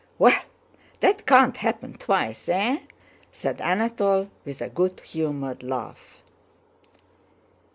"Well, that can't happen twice! Eh?" said Anatole, with a good humored laugh.